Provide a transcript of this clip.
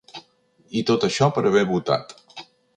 I tot això per haver votat.